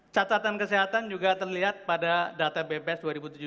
catatan kesehatan juga terlihat pada data bps dua ribu tujuh belas